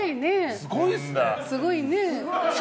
すごいね。